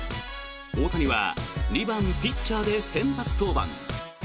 大谷は２番ピッチャーで先発登板。